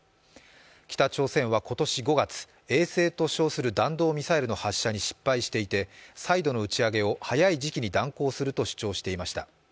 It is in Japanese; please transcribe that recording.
北朝鮮は今年５月、衛星と称する弾道ミサイルの発射に失敗していて、再度の打ち上げを早い時期に断行すると主張していました。